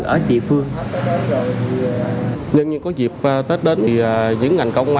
ở địa phương